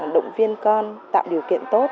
động viên con tạo điều kiện tốt